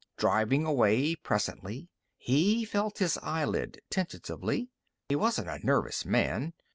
Driving away, presently, he felt his eyelid tentatively. He wasn't a nervous man.